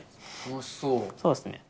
そうですね。